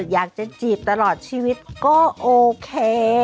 อยากจะจีบตลอดชีวิตก็โอเค